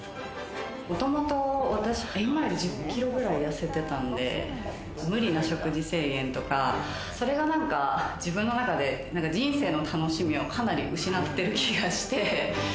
もともと私、今より１０キロくらいやせてたんで、無理な食事制限とか、それが何か、自分の中で人生の楽しみをかなり失ってる気がして。